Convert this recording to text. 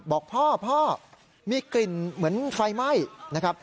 บอกพ่อพ่อมีกลิ่นเหมือนไฟไหม้นะครับ